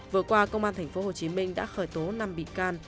vừa qua công an tp hcm đã khởi tố năm bị can